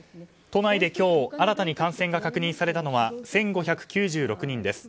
都内で今日新たに感染が確認されたのは１５９６人です。